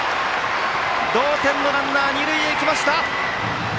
同点のランナーが二塁へ行きました！